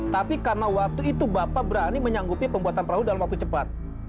tapi karena waktu itu bapak berani menyanggupi pembuatan perahu dalam waktu cepat